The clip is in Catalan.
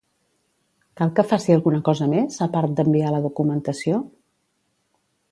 Cal que faci alguna cosa més, a part d'enviar la documentació?